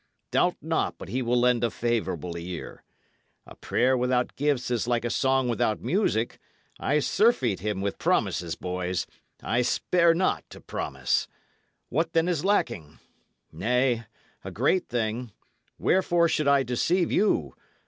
Doubt not but he will lend a favourable ear. A prayer without gifts is like a song without music: I surfeit him with promises, boys I spare not to promise. What, then, is lacking? Nay, a great thing wherefore should I deceive you?